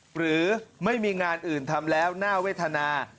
หรือไม่มีงานอื่นทำแล้วน่าเวทนา